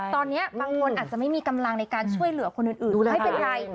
ตอนนี้บางคนอาจจะไม่มีกำลังในการช่วยเหลือคนอื่นดูแลไม่เป็นไร